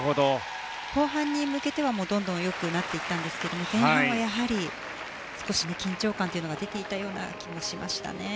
後半に向けては、どんどんよくなっていったんですが前半はやはり、少し緊張感というのが出ていたような気もしましたね。